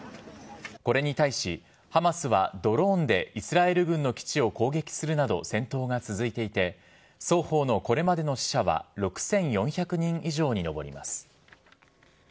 これに対し、ハマスはドローンでイスラエル軍の基地を攻撃するなど、戦闘が続いていて、双方のこれまでの死者は６４００人以上に上ります。